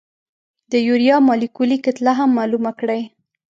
د یوریا مالیکولي کتله هم معلومه کړئ.